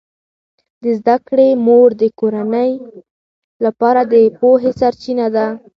د زده کړې مور د کورنۍ لپاره د پوهې سرچینه ده.